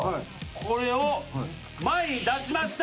これを前に出しました！